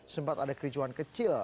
sempat ada kericuan kecil